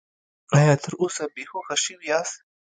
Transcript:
ایا تر اوسه بې هوښه شوي یاست؟